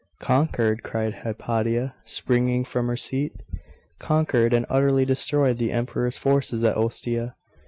'Conquered?' cried Hypatia, springing from her seat. 'Conquered, and utterly destroyed the emperor's forces at Ostia.